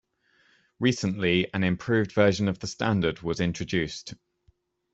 Recently an improved version of the standard was introduced.